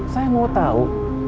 saya mau tau